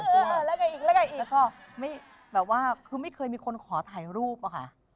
แล้วก็อีกแล้วก็อีกแล้วก็ไม่แบบว่าคือไม่เคยมีคนขอถ่ายรูปอะค่ะ